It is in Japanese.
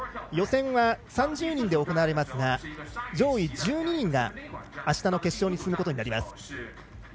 予選は３０人で行われますが上位１２人が、あしたの決勝に進むことになります。